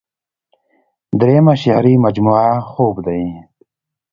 دريمه شعري مجموعه خوب دے ۔